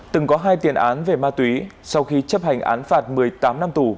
từng có hai tiền án về ma túy sau khi chấp hành án phạt một mươi tám năm tù